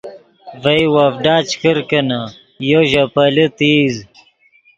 ڤئے وڤڈا چے کرکینے یو ژے پیلے تیز